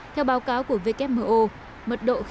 theo báo cáo của wmo